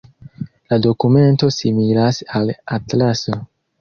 La dokumento similas al atlaso.